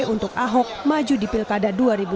untuk ahok maju di pilkada dua ribu dua puluh